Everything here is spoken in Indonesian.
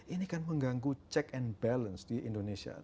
ini kan mengganggu check and balance di indonesia